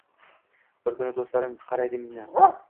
Bir kuni dustlarim qargaydi meni